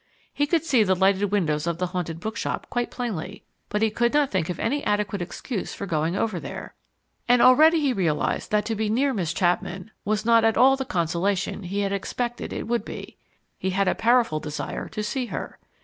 He could see the lighted windows of the Haunted Bookshop quite plainly, but he could not think of any adequate excuse for going over there. And already he realized that to be near Miss Chapman was not at all the consolation he had expected it would be. He had a powerful desire to see her.